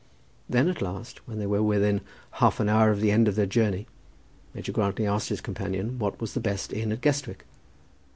Then, at last, when they were within half an hour of the end of their journey, Major Grantly asked his companion what was the best inn at Guestwick.